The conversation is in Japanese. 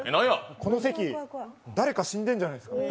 この席、誰か死んでるんじゃないですか。